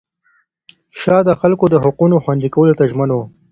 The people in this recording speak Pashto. شاه د خلکو د حقونو خوندي کولو ته ژمن و.